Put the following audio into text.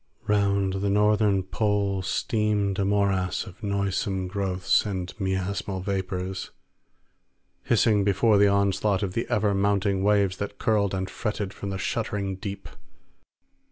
Around the northern pole steamed a morass of noisome growths and miasmal vapours, hissing before the onslaught of the ever mounting waves that curled and fretted from the shuddering deep.